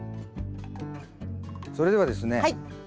それではですね